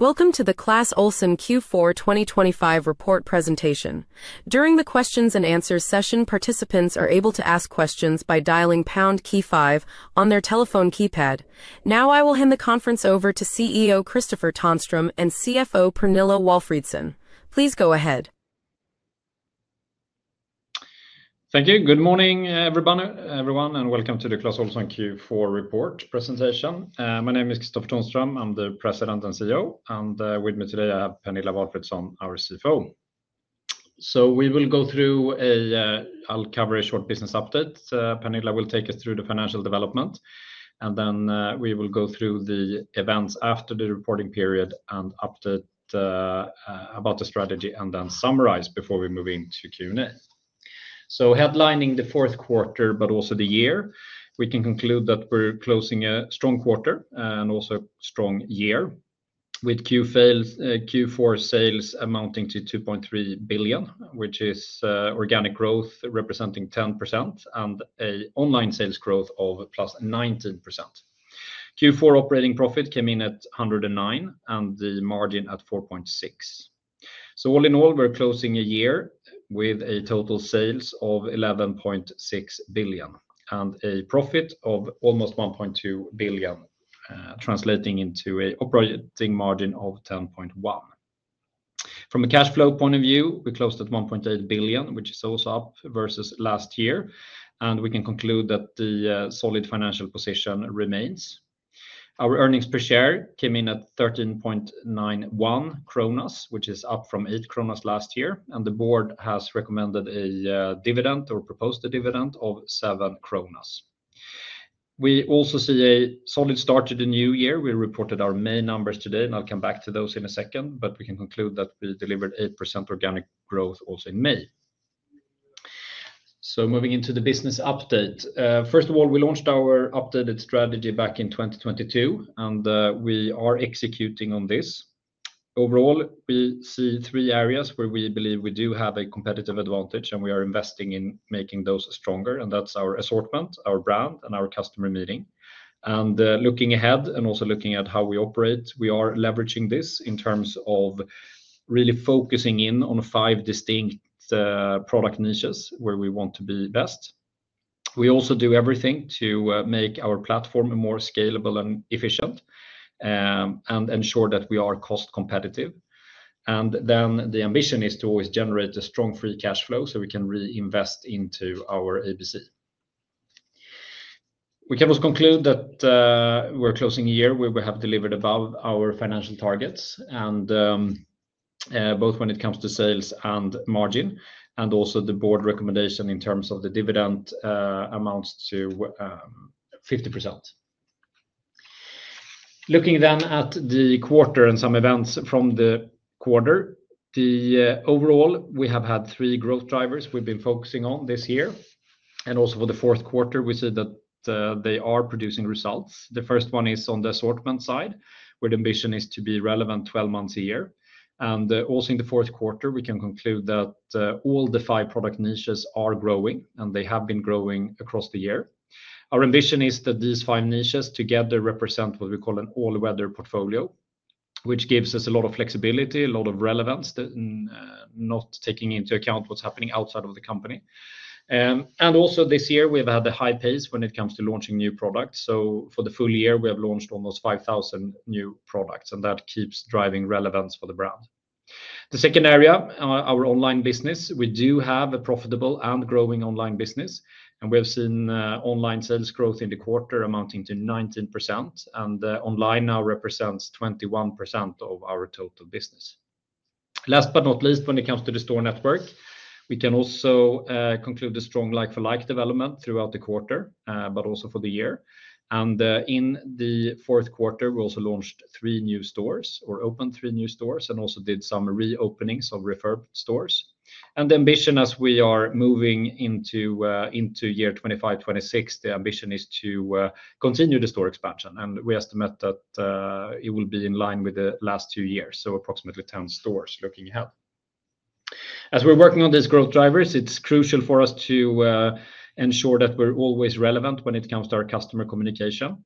Welcome to the Clas Ohlson Q4 2025 report presentation. During the Q&A session, participants are able to ask questions by dialing pound key five on their telephone keypad. Now, I will hand the conference over to CEO Kristofer Tonström and CFO Pernilla Walfridsson. Please go ahead. Thank you. Good morning, everyone, and welcome to the Clas Ohlson Q4 report presentation. My name is Kristofer Tonström, I'm the President and CEO, and with me today I have Pernilla Walfridsson, our CFO. We will go through—I will cover a short business update. Pernilla will take us through the financial development, and then we will go through the events after the reporting period and update about the strategy, and then summarize before we move into Q&A. Headlining the fourth quarter, but also the year, we can conclude that we're closing a strong quarter and also a strong year, with Q4 sales amounting to 2.3 billion, which is organic growth representing 10% and an online sales growth of plus 19%. Q4 operating profit came in at 109 million and the margin at 4.6%. All in all, we're closing a year with total sales of 11.6 billion and a profit of almost 1.2 billion, translating into an operating margin of 10.1%. From a cash flow point of view, we closed at 1.8 billion, which is also up versus last year, and we can conclude that the solid financial position remains. Our earnings per share came in at 13.91, which is up from 8 last year, and the board has recommended a dividend or proposed a dividend of 7. We also see a solid start to the new year. We reported our May numbers today, and I'll come back to those in a second, but we can conclude that we delivered 8% organic growth also in May. Moving into the business update. First of all, we launched our updated strategy back in 2022, and we are executing on this. Overall, we see three areas where we believe we do have a competitive advantage, and we are investing in making those stronger, and that's our assortment, our brand, and our customer meeting. Looking ahead and also looking at how we operate, we are leveraging this in terms of really focusing in on five distinct product niches where we want to be best. We also do everything to make our platform more scalable and efficient and ensure that we are cost competitive. The ambition is to always generate a strong free cash flow so we can reinvest into our ABC. We can also conclude that we're closing a year where we have delivered above our financial targets, both when it comes to sales and margin, and also the board recommendation in terms of the dividend amounts to 50%. Looking then at the quarter and some events from the quarter, overall, we have had three growth drivers we've been focusing on this year, and also for the fourth quarter, we see that they are producing results. The first one is on the assortment side, where the ambition is to be relevant 12 months a year. Also in the fourth quarter, we can conclude that all the five product niches are growing, and they have been growing across the year. Our ambition is that these five niches together represent what we call an all-weather portfolio, which gives us a lot of flexibility, a lot of relevance, not taking into account what's happening outside of the company. Also this year, we've had a high pace when it comes to launching new products. For the full year, we have launched almost 5,000 new products, and that keeps driving relevance for the brand. The second area, our online business, we do have a profitable and growing online business, and we have seen online sales growth in the quarter amounting to 19%, and online now represents 21% of our total business. Last but not least, when it comes to the store network, we can also conclude a strong like-for-like development throughout the quarter, but also for the year. In the fourth quarter, we also launched three new stores or opened three new stores and also did some reopenings of referred stores. The ambition, as we are moving into year 2025-2026, is to continue the store expansion, and we estimate that it will be in line with the last two years, so approximately 10 stores looking ahead. As we're working on these growth drivers, it's crucial for us to ensure that we're always relevant when it comes to our customer communication.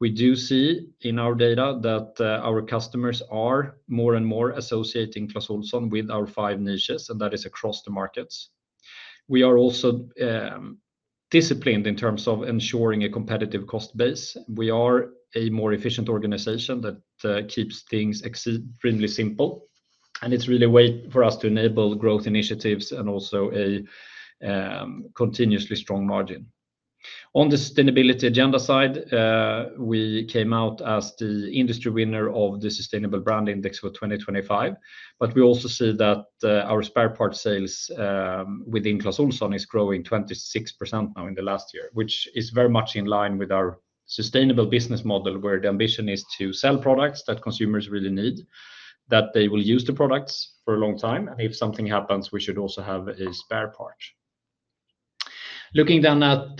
We do see in our data that our customers are more and more associating Clas Ohlson with our five niches, and that is across the markets. We are also disciplined in terms of ensuring a competitive cost base. We are a more efficient organization that keeps things extremely simple, and it's really a way for us to enable growth initiatives and also a continuously strong margin. On the sustainability agenda side, we came out as the industry winner of the Sustainable Brand Index for 2025, but we also see that our spare part sales within Clas Ohlson is growing 26% now in the last year, which is very much in line with our sustainable business model, where the ambition is to sell products that consumers really need, that they will use the products for a long time, and if something happens, we should also have a spare part. Looking then at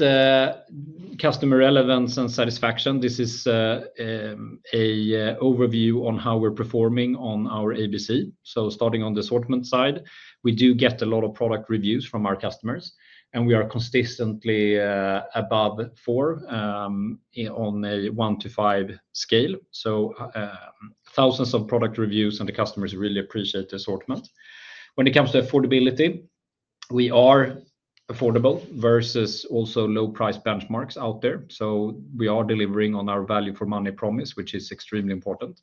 customer relevance and satisfaction, this is an overview on how we're performing on our ABC. Starting on the assortment side, we do get a lot of product reviews from our customers, and we are consistently above four on a one-to-five scale. Thousands of product reviews, and the customers really appreciate the assortment. When it comes to affordability, we are affordable versus also low-price benchmarks out there. We are delivering on our value for money promise, which is extremely important.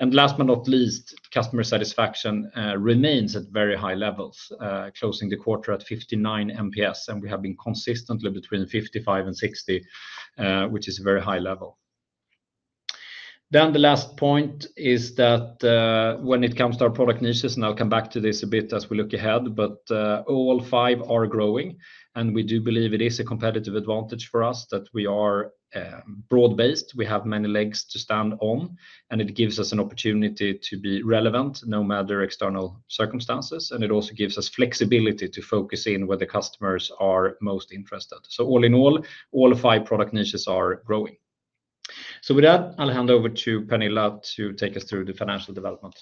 Last but not least, customer satisfaction remains at very high levels, closing the quarter at 59 MPS, and we have been consistently between 55 and 60, which is a very high level. The last point is that when it comes to our product niches, and I'll come back to this a bit as we look ahead, all five are growing, and we do believe it is a competitive advantage for us that we are broad-based. We have many legs to stand on, and it gives us an opportunity to be relevant no matter external circumstances, and it also gives us flexibility to focus in where the customers are most interested. All in all, all five product niches are growing. With that, I'll hand over to Pernilla to take us through the financial development.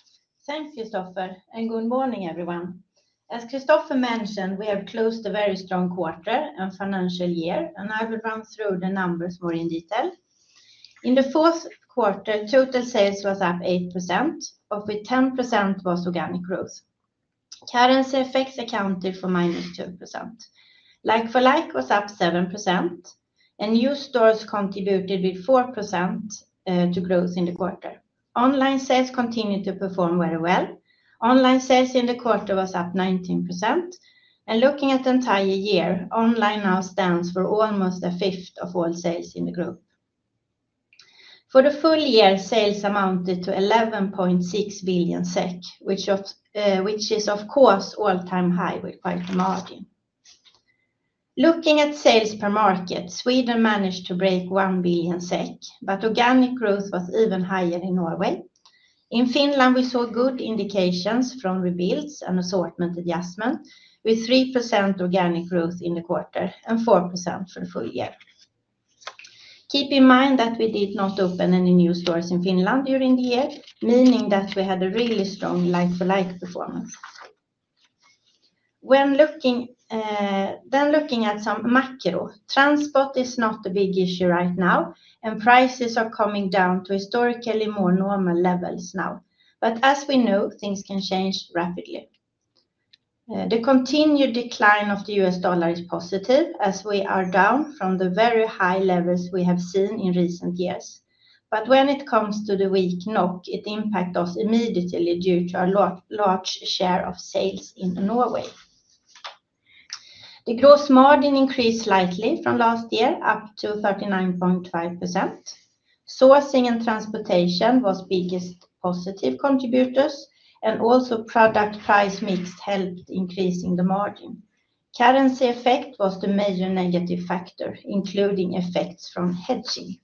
Thanks, Kristofer. Good morning, everyone. As Kristofer mentioned, we have closed a very strong quarter and financial year, and I will run through the numbers more in detail. In the fourth quarter, total sales was up 8%, of which 10% was organic growth. Currency effects accounted for -2%. Like-for-like was up 7%, and new stores contributed with 4% to growth in the quarter. Online sales continued to perform very well. Online sales in the quarter was up 19%. Looking at the entire year, online now stands for almost a fifth of all sales in the group. For the full year, sales amounted to 11.6 billion SEK, which is, of course, all-time high with quite a margin. Looking at sales per market, Sweden managed to break 1 billion SEK, but organic growth was even higher in Norway. In Finland, we saw good indications from rebuilds and assortment adjustment, with 3% organic growth in the quarter and 4% for the full year. Keep in mind that we did not open any new stores in Finland during the year, meaning that we had a really strong like-for-like performance. Looking at some macro, transport is not a big issue right now, and prices are coming down to historically more normal levels now. As we know, things can change rapidly. The continued decline of the US dollar is positive as we are down from the very high levels we have seen in recent years. When it comes to the weak NOK, it impacted us immediately due to our large share of sales in Norway. The gross margin increased slightly from last year up to 39.5%. Sourcing and transportation were the biggest positive contributors, and also product price mix helped increase the margin. Currency effect was the major negative factor, including effects from hedging.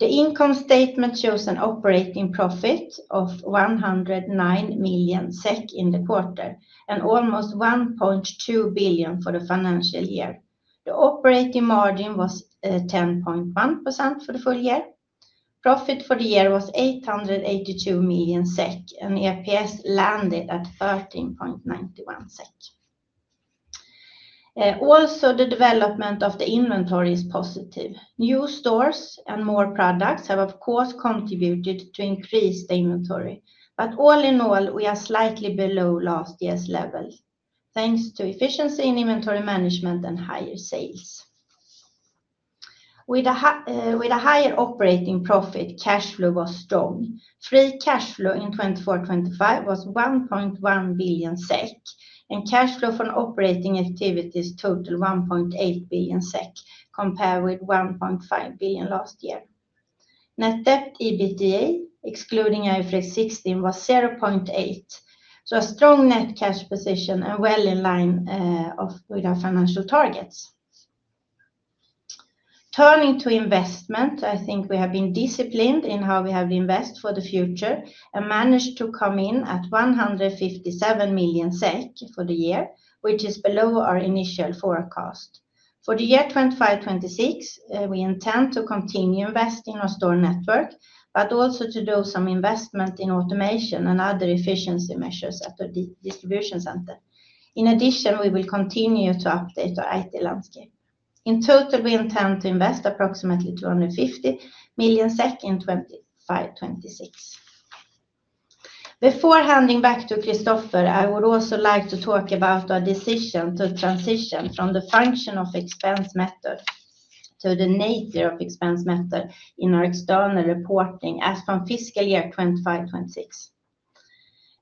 The income statement shows an operating profit of 109 million SEK in the quarter and almost 1.2 billion for the financial year. The operating margin was 10.1% for the full year. Profit for the year was 882 million SEK, and EPS landed at 13.91 SEK. Also, the development of the inventory is positive. New stores and more products have, of course, contributed to increase the inventory. All in all, we are slightly below last year's level thanks to efficiency in inventory management and higher sales. With a higher operating profit, cash flow was strong. Free cash flow in 2024-2025 was 1.1 billion SEK, and cash flow from operating activities totaled 1.8 billion SEK, compared with 1.5 billion last year. Net debt EBITDA, excluding IFRS 16, was 0.8. A strong net cash position and well in line with our financial targets. Turning to investment, I think we have been disciplined in how we have invested for the future and managed to come in at 157 million SEK for the year, which is below our initial forecast. For the year 2025-2026, we intend to continue investing in our store network, but also to do some investment in automation and other efficiency measures at our distribution center. In addition, we will continue to update our IT landscape. In total, we intend to invest approximately 250 million SEK in 2025-2026. Before handing back to Kristofer, I would also like to talk about our decision to transition from the function of expense method to the nature of expense method in our external reporting as from fiscal year 2025-2026.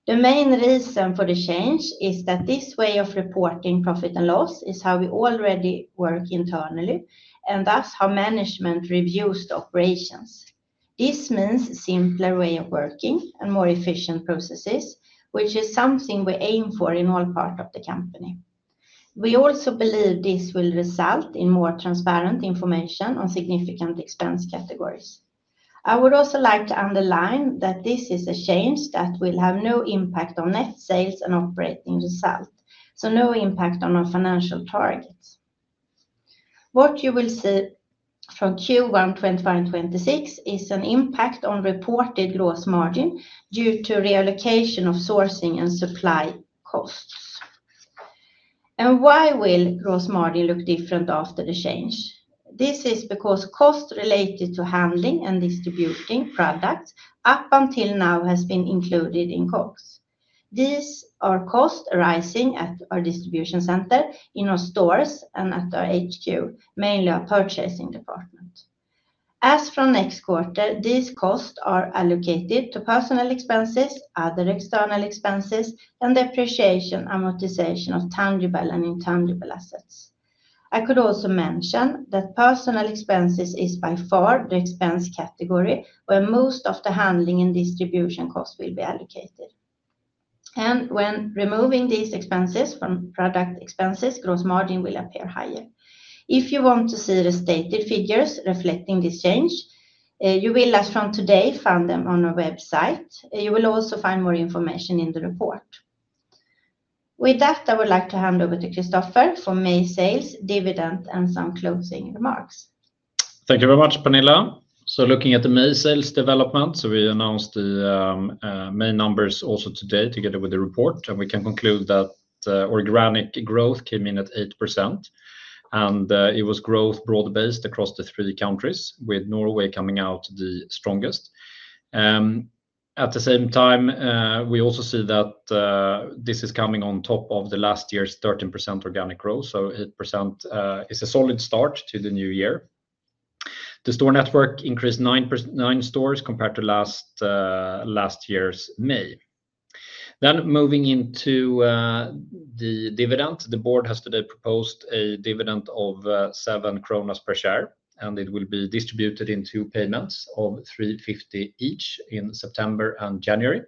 The main reason for the change is that this way of reporting profit and loss is how we already work internally and thus how management reviews the operations. This means a simpler way of working and more efficient processes, which is something we aim for in all parts of the company. We also believe this will result in more transparent information on significant expense categories. I would also like to underline that this is a change that will have no impact on net sales and operating result, so no impact on our financial targets. What you will see from Q1 2025-2026 is an impact on reported gross margin due to reallocation of sourcing and supply costs. Why will gross margin look different after the change? This is because costs related to handling and distributing products up until now have been included in costs. These are costs arising at our distribution center, in our stores, and at our HQ, mainly our purchasing department. As from next quarter, these costs are allocated to personnel expenses, other external expenses, and depreciation amortization of tangible and intangible assets. I could also mention that personnel expenses is by far the expense category where most of the handling and distribution costs will be allocated. When removing these expenses from product expenses, gross margin will appear higher. If you want to see the stated figures reflecting this change, you will, as from today, find them on our website. You will also find more information in the report. With that, I would like to hand over to Kristofer for May sales, dividend, and some closing remarks. Thank you very much, Pernilla. Looking at the May sales development, we announced the May numbers also today together with the report, and we can conclude that organic growth came in at 8%, and it was growth broad-based across the three countries, with Norway coming out the strongest. At the same time, we also see that this is coming on top of last year's 13% organic growth, so 8% is a solid start to the new year. The store network increased 9 stores compared to last year's May. Moving into the dividend, the board has today proposed a dividend of 7 kronor per share, and it will be distributed in two payments of 3.50 each in September and January.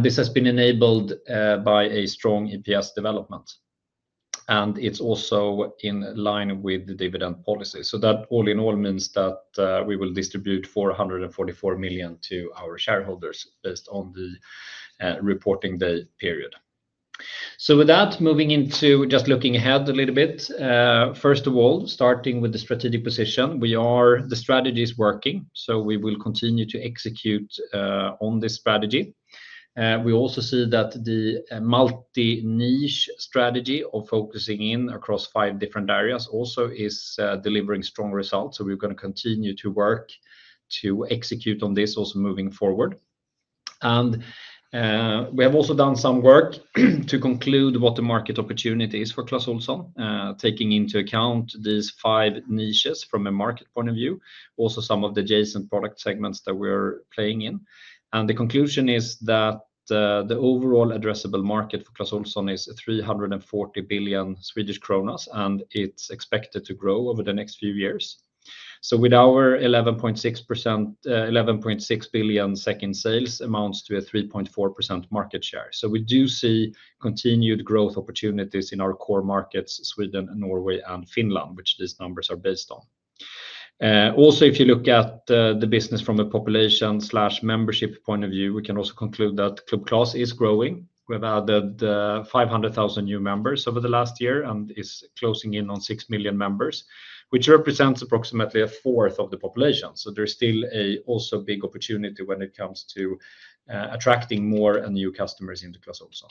This has been enabled by a strong EPS development, and it is also in line with the dividend policy. All in all, that means that we will distribute 444 million to our shareholders based on the reporting day period. With that, moving into just looking ahead a little bit, first of all, starting with the strategic position, the strategy is working, so we will continue to execute on this strategy. We also see that the multi-niche strategy of focusing in across five different areas also is delivering strong results, so we are going to continue to work to execute on this also moving forward. We have also done some work to conclude what the market opportunity is for Clas Ohlson, taking into account these five niches from a market point of view, also some of the adjacent product segments that we are playing in. The conclusion is that the overall addressable market for Clas Ohlson is 340 billion Swedish kronor, and it's expected to grow over the next few years. With our 11.6 billion sales, that amounts to a 3.4% market share. We do see continued growth opportunities in our core markets, Sweden, Norway, and Finland, which these numbers are based on. Also, if you look at the business from a population/membership point of view, we can also conclude that Club Clas is growing. We have added 500,000 new members over the last year and are closing in on 6 million members, which represents approximately a fourth of the population. There is still also a big opportunity when it comes to attracting more and new customers into Clas Ohlson.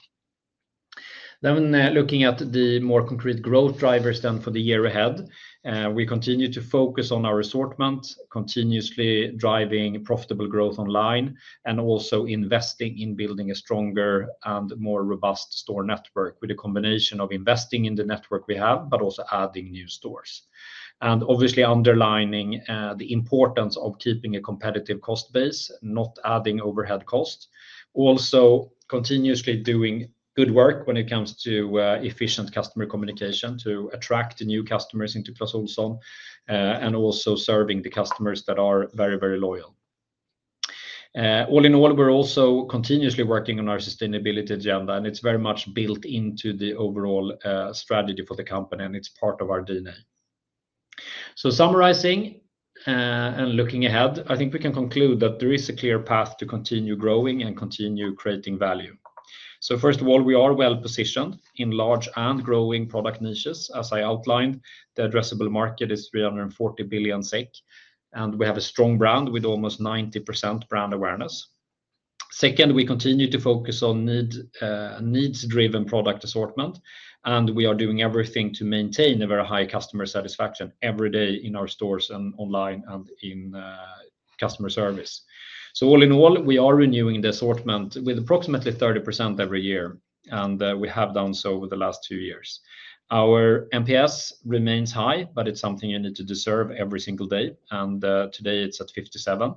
Looking at the more concrete growth drivers for the year ahead, we continue to focus on our assortment, continuously driving profitable growth online, and also investing in building a stronger and more robust store network with a combination of investing in the network we have, but also adding new stores. Obviously, underlining the importance of keeping a competitive cost base, not adding overhead costs, also continuously doing good work when it comes to efficient customer communication to attract new customers into Clas Ohlson and also serving the customers that are very, very loyal. All in all, we're also continuously working on our sustainability agenda, and it's very much built into the overall strategy for the company, and it's part of our DNA. Summarizing and looking ahead, I think we can conclude that there is a clear path to continue growing and continue creating value. First of all, we are well positioned in large and growing product niches. As I outlined, the addressable market is 340 billion SEK, and we have a strong brand with almost 90% brand awareness. Second, we continue to focus on needs-driven product assortment, and we are doing everything to maintain a very high customer satisfaction every day in our stores and online and in customer service. All in all, we are renewing the assortment with approximately 30% every year, and we have done so over the last two years. Our MPS remains high, but it's something you need to deserve every single day, and today it's at 57.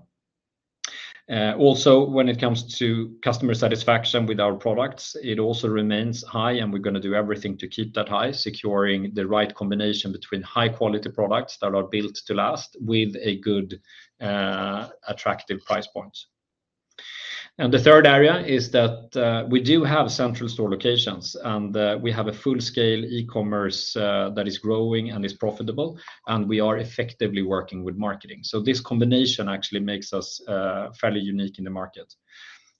Also, when it comes to customer satisfaction with our products, it also remains high, and we are going to do everything to keep that high, securing the right combination between high-quality products that are built to last with a good attractive price point. The third area is that we do have central store locations, and we have a full-scale e-commerce that is growing and is profitable, and we are effectively working with marketing. This combination actually makes us fairly unique in the market.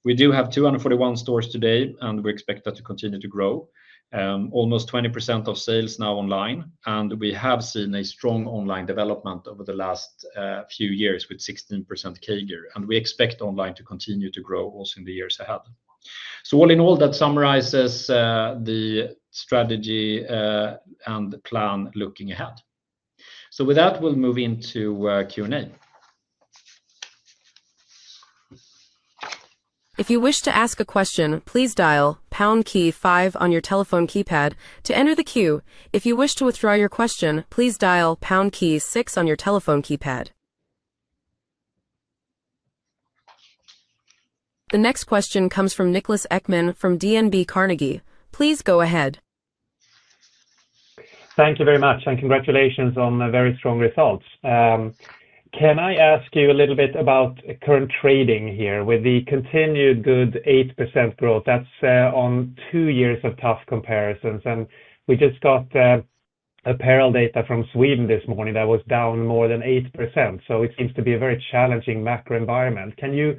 We do have 241 stores today, and we expect that to continue to grow. Almost 20% of sales are now online, and we have seen a strong online development over the last few years with 16% CAGR, and we expect online to continue to grow also in the years ahead. All in all, that summarizes the strategy and plan looking ahead. With that, we'll move into Q&A. If you wish to ask a question, please dial pound key five on your telephone keypad to enter the queue. If you wish to withdraw your question, please dial pound key 6 on your telephone keypad. The next question comes from Niklas Ekman from DNB Carnegie. Please go ahead. Thank you very much, and congratulations on very strong results. Can I ask you a little bit about current trading here with the continued good 8% growth? That's on two years of tough comparisons, and we just got a parallel data from Sweden this morning that was down more than 8%. It seems to be a very challenging macro environment. Can you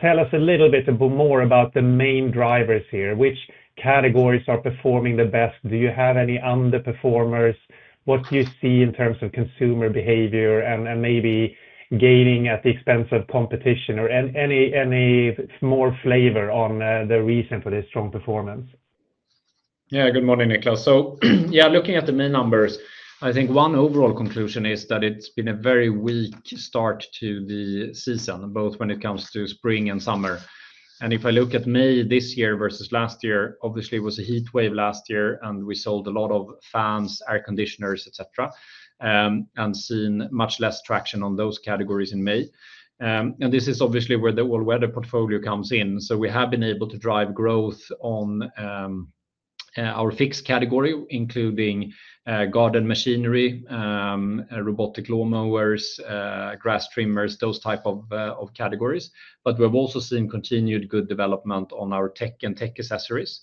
tell us a little bit more about the main drivers here? Which categories are performing the best? Do you have any underperformers? What do you see in terms of consumer behavior and maybe gaining at the expense of competition or any more flavor on the reason for this strong performance? Yeah, good morning, Niklas. Looking at the May numbers, I think one overall conclusion is that it's been a very weak start to the season, both when it comes to spring and summer. If I look at May this year versus last year, obviously it was a heat wave last year, and we sold a lot of fans, air conditioners, etc., and seen much less traction on those categories in May. This is obviously where the all-weather portfolio comes in. We have been able to drive growth on our fixed category, including garden machinery, robotic lawnmowers, grass trimmers, those types of categories. We have also seen continued good development on our tech and tech accessories,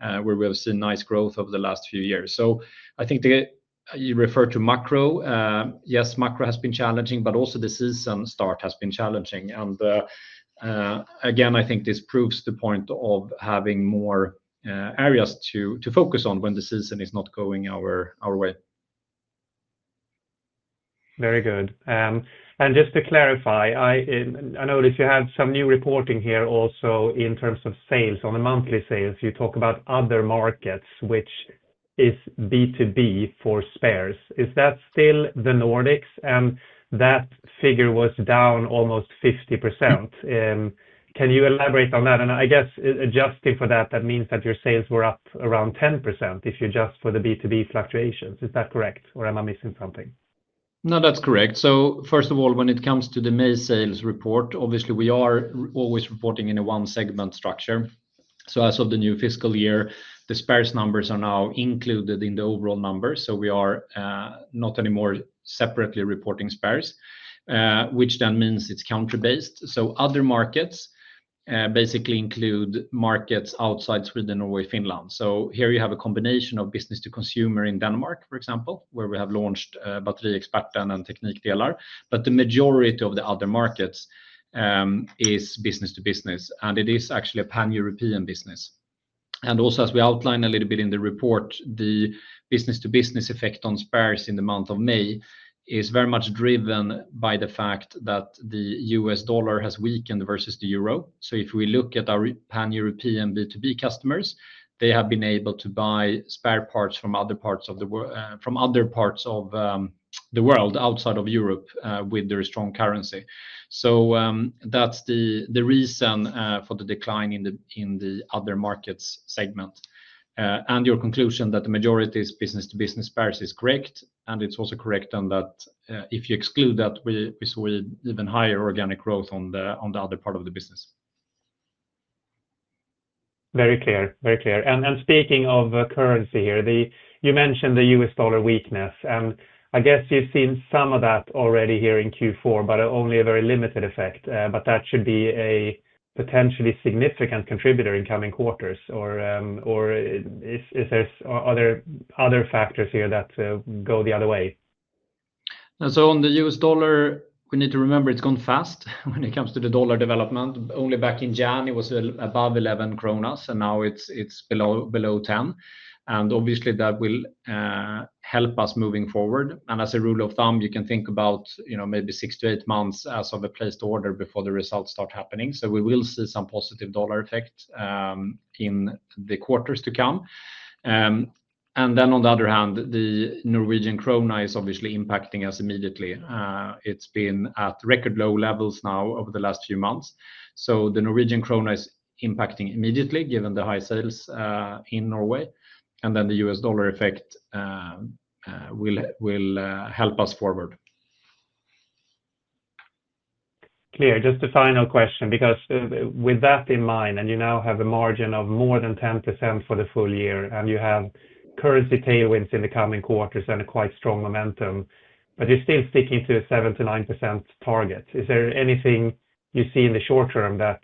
where we have seen nice growth over the last few years. I think you referred to macro. Yes, macro has been challenging, but also the season start has been challenging. Again, I think this proves the point of having more areas to focus on when the season is not going our way. Very good. Just to clarify, I noticed you have some new reporting here also in terms of sales. On the monthly sales, you talk about other markets, which is B2B for spares. Is that still the Nordics? That figure was down almost 50%. Can you elaborate on that? I guess adjusting for that, that means that your sales were up around 10% if you adjust for the B2B fluctuations. Is that correct, or am I missing something? No, that's correct. First of all, when it comes to the May sales report, obviously we are always reporting in a one-segment structure. As of the new fiscal year, the spares numbers are now included in the overall numbers. We are not anymore separately reporting spares, which means it is country-based. Other markets basically include markets outside Sweden, Norway, and Finland. Here you have a combination of business-to-consumer in Denmark, for example, where we have launched Batteriexperten and Teknikdelar. The majority of the other markets is business-to-business, and it is actually a pan-European business. Also, as we outlined a little bit in the report, the business-to-business effect on spares in the month of May is very much driven by the fact that the U.S. dollar has weakened versus the euro. If we look at our pan-European B2B customers, they have been able to buy spare parts from other parts of the world outside of Europe with their strong currency. That is the reason for the decline in the other markets segment. Your conclusion that the majority is business-to-business spares is correct, and it is also correct in that if you exclude that, we saw even higher organic growth on the other part of the business. Very clear, very clear. Speaking of currency here, you mentioned the U.S. dollar weakness, and I guess you've seen some of that already here in Q4, but only a very limited effect. That should be a potentially significant contributor in coming quarters, or are there other factors here that go the other way? On the U.S. dollar, we need to remember it's gone fast when it comes to the dollar development. Only back in January, it was above 11 kronor, and now it's below 10. Obviously, that will help us moving forward. As a rule of thumb, you can think about maybe six to eight months as a place to order before the results start happening. We will see some positive dollar effect in the quarters to come. On the other hand, the Norwegian krone is obviously impacting us immediately. It's been at record low levels now over the last few months. The Norwegian krone is impacting immediately given the high sales in Norway. The U.S. dollar effect will help us forward. Clear. Just a final question, because with that in mind, and you now have a margin of more than 10% for the full year, and you have currency tailwinds in the coming quarters and a quite strong momentum, but you're still sticking to a 7%-9% target. Is there anything you see in the short term that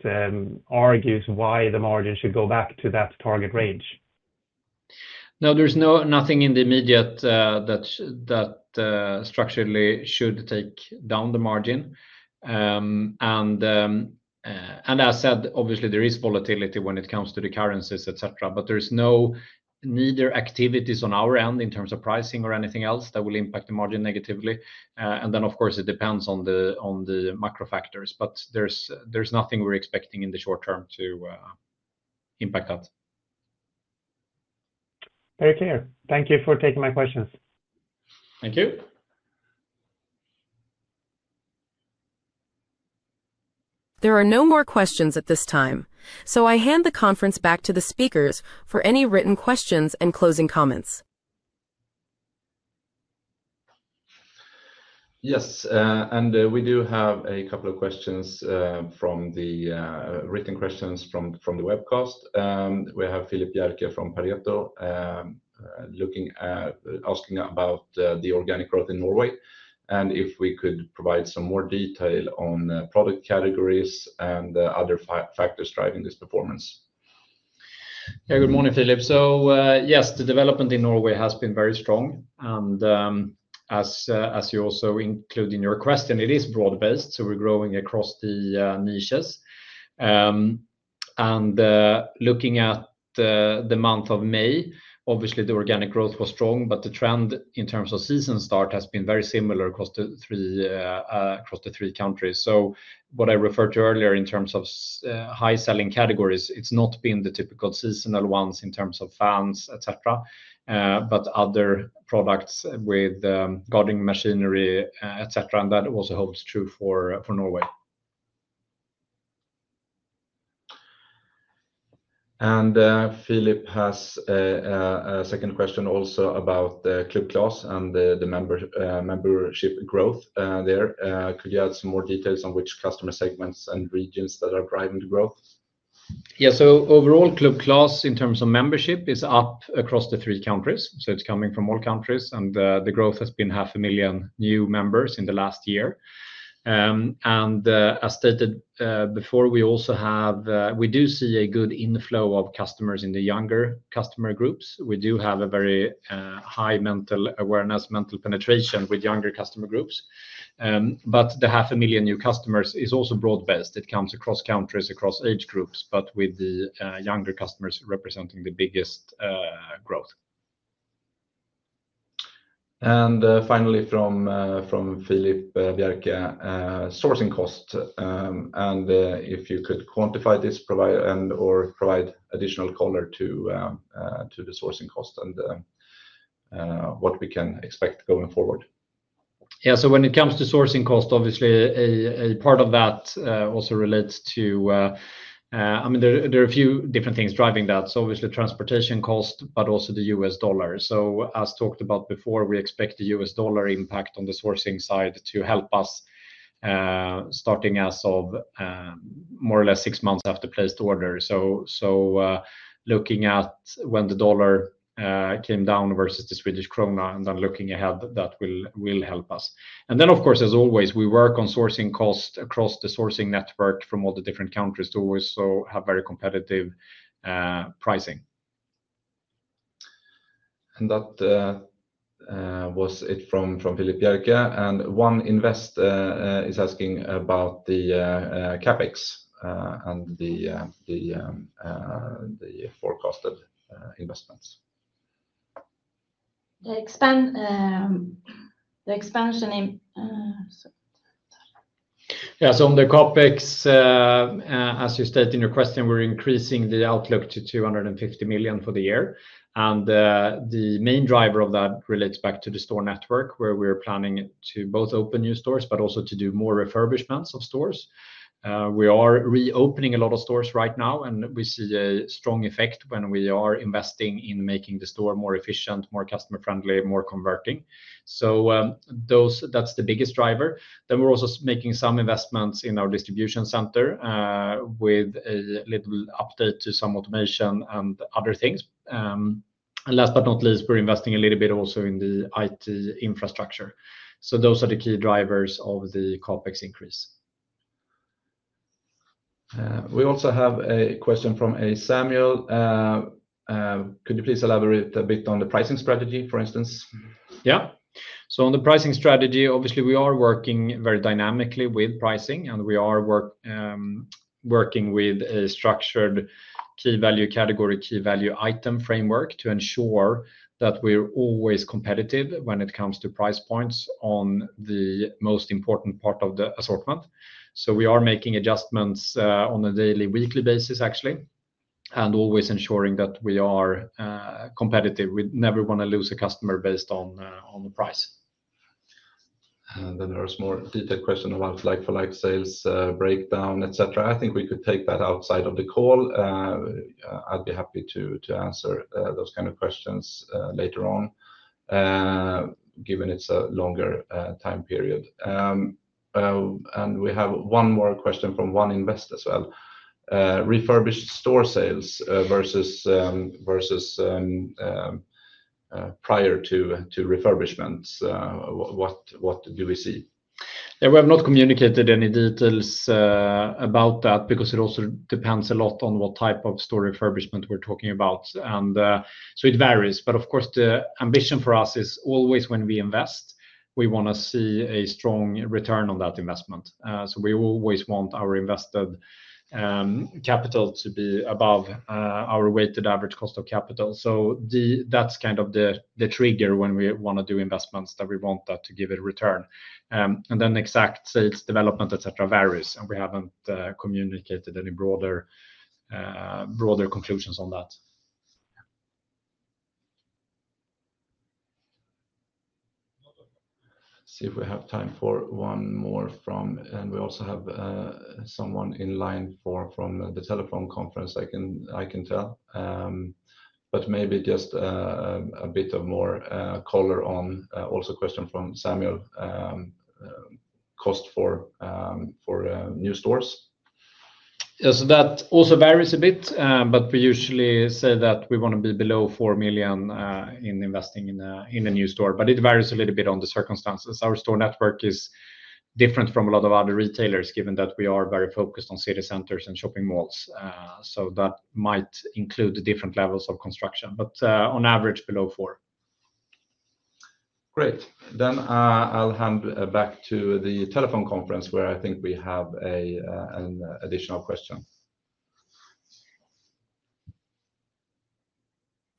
argues why the margin should go back to that target range? No, there is nothing in the immediate that structurally should take down the margin. As I said, obviously, there is volatility when it comes to the currencies, etc., but there is no neither activities on our end in terms of pricing or anything else that will impact the margin negatively. Of course, it depends on the macro factors, but there is nothing we are expecting in the short term to impact that. Very clear. Thank you for taking my questions. Thank you. There are no more questions at this time, so I hand the conference back to the speakers for any written questions and closing comments. Yes, and we do have a couple of questions from the written questions from the webcast. We have Phillihp Bjerke from Pareto asking about the organic growth in Norway and if we could provide some more detail on product categories and other factors driving this performance. Yeah, good morning, Phillihp. Yes, the development in Norway has been very strong. As you also include in your question, it is broad-based, so we're growing across the niches. Looking at the month of May, obviously, the organic growth was strong, but the trend in terms of season start has been very similar across the three countries. What I referred to earlier in terms of high-selling categories, it's not been the typical seasonal ones in terms of fans, etc., but other products with garden machinery, etc., and that also holds true for Norway. Phillihp has a second question also about Club Clas and the membership growth there. Could you add some more details on which customer segments and regions that are driving the growth? Yeah, so overall, Club Clas in terms of membership is up across the three countries, so it's coming from all countries, and the growth has been 500,000 new members in the last year. As stated before, we do see a good inflow of customers in the younger customer groups. We do have a very high mental awareness, mental penetration with younger customer groups. The 500,000 new customers is also broad-based. It comes across countries, across age groups, with the younger customers representing the biggest growth. Finally, from Phillihp Bjerke, sourcing costs. If you could quantify this and/or provide additional color to the sourcing costs and what we can expect going forward. Yeah, so when it comes to sourcing costs, obviously, a part of that also relates to, I mean, there are a few different things driving that. Obviously, transportation costs, but also the U.S. dollar. As talked about before, we expect the U.S. dollar impact on the sourcing side to help us starting as of more or less six months after place to order. Looking at when the dollar came down versus the Swedish krona and then looking ahead, that will help us. Of course, as always, we work on sourcing costs across the sourcing network from all the different countries to also have very competitive pricing. That was it from Phillihp Bjerke. One investor is asking about the CapEx and the forecasted investments. Yeah, so on the CapEx, as you stated in your question, we're increasing the outlook to 250 million for the year. The main driver of that relates back to the store network, where we're planning to both open new stores and also to do more refurbishments of stores. We are reopening a lot of stores right now, and we see a strong effect when we are investing in making the store more efficient, more customer-friendly, more converting. That's the biggest driver. We're also making some investments in our distribution center with a little update to some automation and other things. Last but not least, we're investing a little bit also in the IT infrastructure. Those are the key drivers of the CapEx increase. We also have a question from Samuel. Could you please elaborate a bit on the pricing strategy, for instance? Yeah. On the pricing strategy, obviously, we are working very dynamically with pricing, and we are working with a structured key value category, key value item framework to ensure that we are always competitive when it comes to price points on the most important part of the assortment. We are making adjustments on a daily, weekly basis, actually, and always ensuring that we are competitive. We never want to lose a customer based on the price. There is a more detailed question about like-for-like sales breakdown, etc. I think we could take that outside of the call. I'd be happy to answer those kinds of questions later on, given it's a longer time period. We have one more question from one investor as well. Refurbished store sales versus prior to refurbishments, what do we see? Yeah, we have not communicated any details about that because it also depends a lot on what type of store refurbishment we're talking about. It varies. Of course, the ambition for us is always when we invest, we want to see a strong return on that investment. We always want our invested capital to be above our weighted average cost of capital. That's kind of the trigger when we want to do investments that we want that to give a return. Exact sales development, etc., varies. We haven't communicated any broader conclusions on that. Let's see if we have time for one more from, and we also have someone in line from the telephone conference, I can tell. Maybe just a bit of more color on also a question from Samuel, cost for new stores. Yeah, so that also varies a bit, but we usually say that we want to be below 4 million in investing in a new store. It varies a little bit on the circumstances. Our store network is different from a lot of other retailers, given that we are very focused on city centers and shopping malls. That might include different levels of construction, but on average, below 4 million. Great. I will hand back to the telephone conference where I think we have an additional question.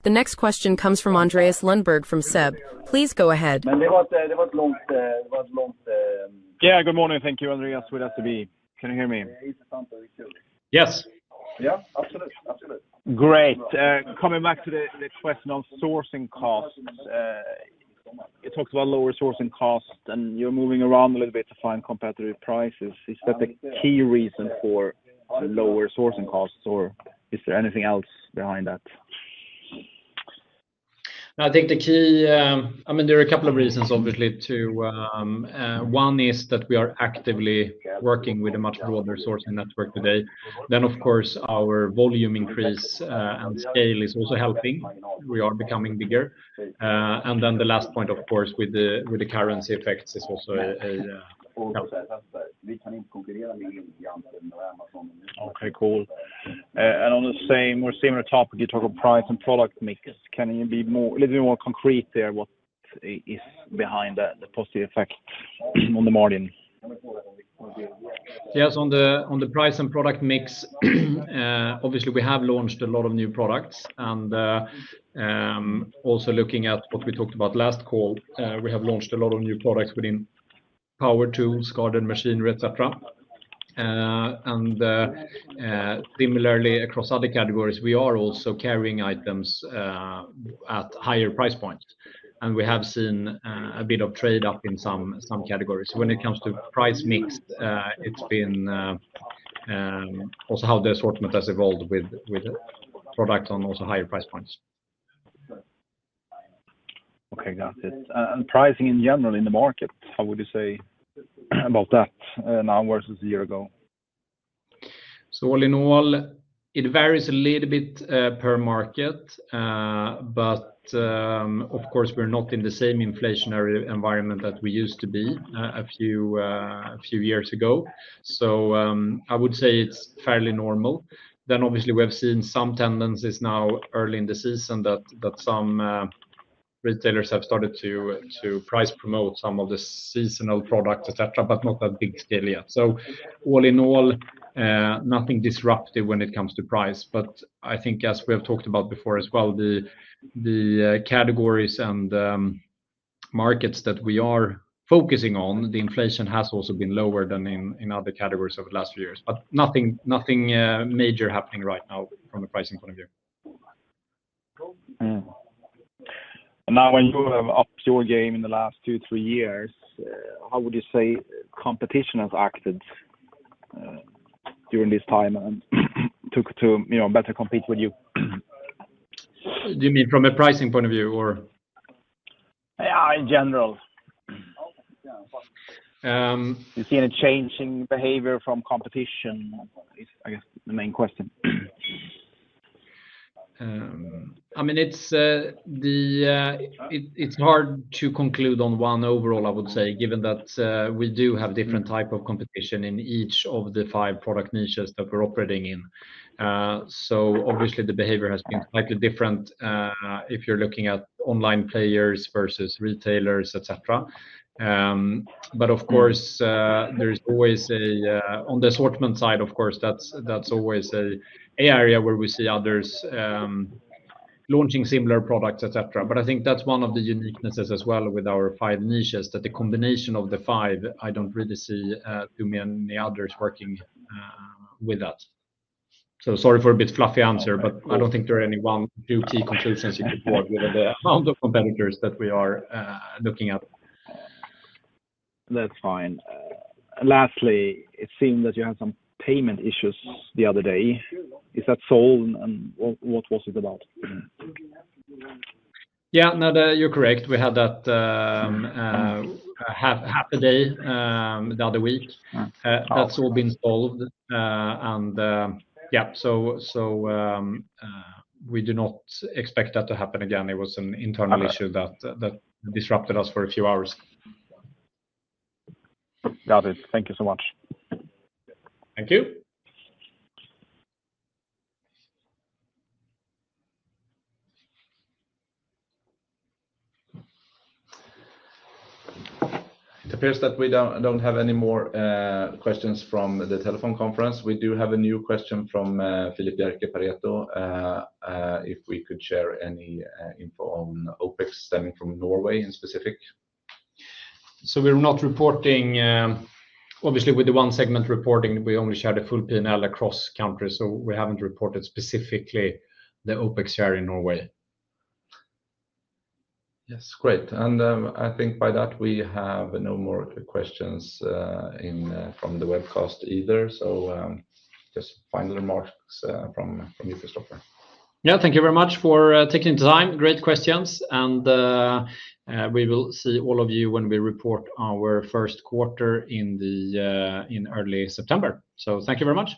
The next question comes from Andreas Lundberg from SEB. Please go ahead. Yeah, good morning. Thank you, Andreas. We'd love to be. Can you hear me? Yes. Yeah, absolutely. Absolutely. Great. Coming back to the question on sourcing costs, you talked about lower sourcing costs, and you're moving around a little bit to find competitive prices. Is that the key reason for lower sourcing costs, or is there anything else behind that? No, I think the key, I mean, there are a couple of reasons, obviously. One is that we are actively working with a much broader sourcing network today. Of course, our volume increase and scale is also helping. We are becoming bigger. The last point, of course, with the currency effects is also a help. Okay, cool. On a more similar topic, you talk of price and product mix. Can you be a little bit more concrete there? What is behind the positive effect on the margin? Yeah, so on the price and product mix, obviously, we have launched a lot of new products. Also, looking at what we talked about last call, we have launched a lot of new products within power tools, garden machinery, etc. Similarly, across other categories, we are also carrying items at higher price points. We have seen a bit of trade-off in some categories. When it comes to price mix, it has been also how the assortment has evolved with products on also higher price points. Okay, got it. Pricing in general in the market, how would you say about that now versus a year ago? All in all, it varies a little bit per market. Of course, we're not in the same inflationary environment that we used to be a few years ago. I would say it's fairly normal. Obviously, we have seen some tendencies now early in the season that some retailers have started to price promote some of the seasonal products, etc., but not at big scale yet. All in all, nothing disruptive when it comes to price. I think, as we have talked about before as well, the categories and markets that we are focusing on, the inflation has also been lower than in other categories over the last few years. Nothing major happening right now from a pricing point of view. Now, when you have upped your game in the last two, three years, how would you say competition has acted during this time and took to better compete with you? Do you mean from a pricing point of view, or? Yeah, in general. You see any changing behavior from competition, I guess, the main question? I mean, it's hard to conclude on one overall, I would say, given that we do have different types of competition in each of the five product niches that we're operating in. Obviously, the behavior has been slightly different if you're looking at online players versus retailers, etc. Of course, there is always, on the assortment side, that's always an area where we see others launching similar products, etc. I think that's one of the uniquenesses as well with our five niches, that the combination of the five, I don't really see too many others working with that. Sorry for a bit fluffy answer, but I don't think there are any one juicy conclusions you could draw given the amount of competitors that we are looking at. That's fine. Lastly, it seemed that you had some payment issues the other day. Is that solved, and what was it about? Yeah, no, you're correct. We had that half a day the other week. That's all been solved. Yeah, we do not expect that to happen again. It was an internal issue that disrupted us for a few hours. Got it. Thank you so much. Thank you. It appears that we don't have any more questions from the telephone conference. We do have a new question from Phillihp Bjerke at Pareto if we could share any info on OpEx stemming from Norway in specific. We're not reporting, obviously, with the one-segment reporting, we only share the full P&L across countries. We haven't reported specifically the Opex share in Norway. Yes, great. I think by that, we have no more questions from the webcast either. Just final remarks from you, Kristofer. Yeah, thank you very much for taking the time. Great questions. We will see all of you when we report our first quarter in early September. Thank you very much.